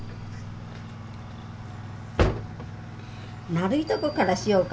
丸いとこからしようか？